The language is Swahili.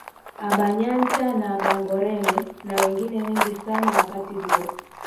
Abanyancha na abangoreme na wengine wengi sana wakati huo